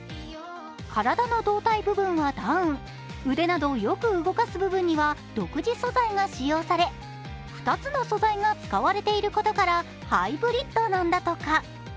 体の胴体部分はダウン、腕などよく動かす部分は独自素材が使用され、２つの素材が使われていることからハイブリッドなんだとか。